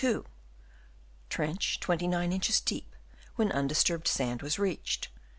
Trench 29 inches deep, when undisturbed sand was reached